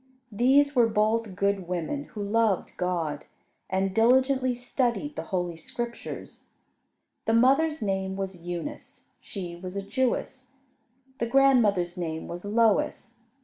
These were both good women, who loved God, and diligently studied the Holy Scriptures. The mother's name was Eunice. She was a Jewess. The grandmother's name was Lois.